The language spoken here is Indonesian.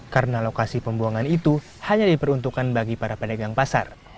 karena lokasi pembuangan itu hanya diperuntukkan bagi para pedagang pasar